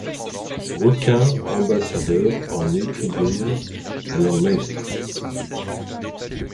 Aulcuns ambassadeurs en escripvirent à leurs maistres.